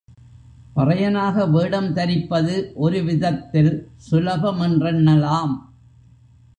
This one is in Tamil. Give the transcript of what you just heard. பறையனாக வேடம் தரிப்பது ஒரு விதத்தில் சுலபமென்றெண்ணலாம்.